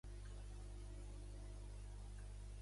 L’Antic Testament regula les conductes sexuals apropiades.